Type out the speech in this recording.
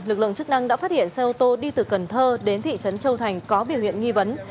lực lượng chức năng đã phát hiện xe ô tô đi từ cần thơ đến thị trấn châu thành có biểu hiện nghi vấn